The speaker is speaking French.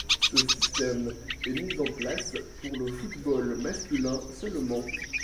Ce système est mis en place pour le football masculin seulement.